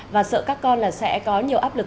và sợ các con sẽ có nhiều áp lực